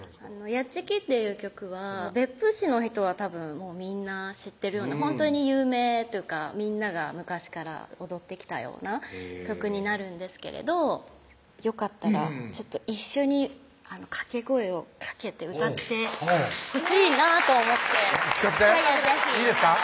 ヤッチキっていう曲は別府市の人はたぶんみんな知ってるようなほんとに有名というかみんなが昔から踊ってきたような曲になるんですけれどよかったら一緒に掛け声をかけて歌ってほしいなと思って聴かせていいですか？